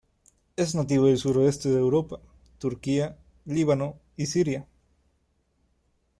Es nativa del sureste de Europa, Turquía, Líbano, y Siria.